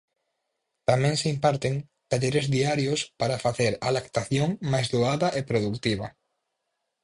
Tamén se imparten talleres diarios para facer a lactación máis doada e produtiva.